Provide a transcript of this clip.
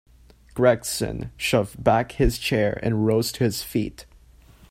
Gregson shoved back his chair and rose to his feet.